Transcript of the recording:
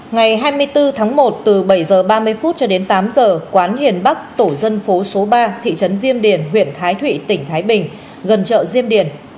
ngày hai mươi bốn tháng một từ bảy h ba mươi phút cho đến tám h quán hiền bắc tổ dân phố số ba thị trấn diêm điền huyện thái thụy tỉnh thái bình gần chợ diêm điền